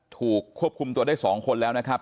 ถูกควบคุมตัวได้๒คนแล้วนะครับ